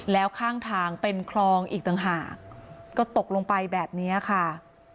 แล้วข้างทางเป็นคลองอีกต่างหากก็ตกลงไปแบบนี้ค่ะ